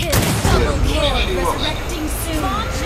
Yerwel weqcic i yiwaɣezniwen.